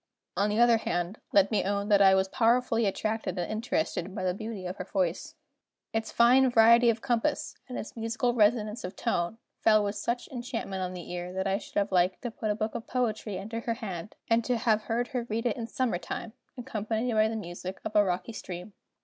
On the other hand, let me own that I was powerfully attracted and interested by the beauty of her voice. Its fine variety of compass, and its musical resonance of tone, fell with such enchantment on the ear, that I should have liked to put a book of poetry into her hand, and to have heard her read it in summer time, accompanied by the music of a rocky stream.